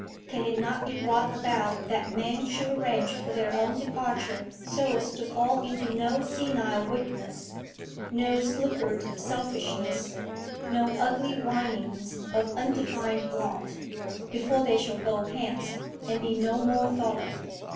Can it not be brought about that men should arrange for their own departure, so as to fall into no senile weakness, no slippered selfishness, no ugly whinings of undefined want, before they shall go hence, and be no more thought of?